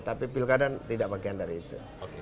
tapi pilkada tidak bagian dari itu